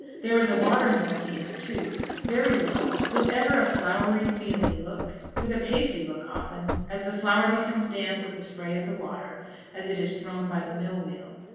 There is a water mill here, too, very low, with ever a floury, mealy look, with a pasty look often, as the flour becomes damp with the spray of the water as it is thrown by the mill wheel.